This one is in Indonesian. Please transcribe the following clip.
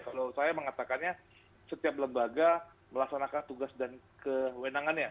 kalau saya mengatakannya setiap lembaga melaksanakan tugas dan kewenangannya